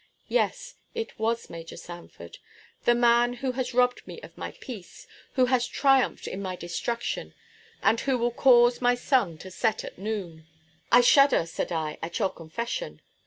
Yes, it was Major Sanford the man who has robbed me of my peace, who has triumphed in my destruction, and who will cause my sun to set at noon." "I shudder," said I, "at your confession!